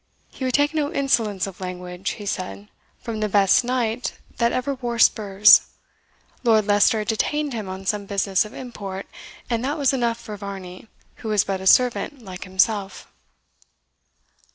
"He would take no insolence of language," he said, "from the best knight that ever wore spurs. Lord Leicester had detained him on some business of import, and that was enough for Varney, who was but a servant like himself."